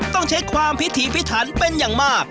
ต้องใช้ความพิถีพิถันเป็นอย่างมาก